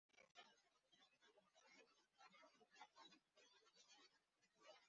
দলে তিনি মূলতঃ ডানহাতি উদ্বোধনী ব্যাটসম্যান হিসেবে খেলতেন।